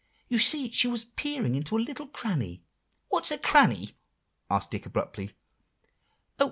You see, she was peering into a little cranny." "What's a cranny?" asked Dick abruptly.